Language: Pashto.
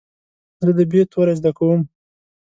زه د "ب" توری زده کوم.